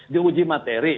di uji materi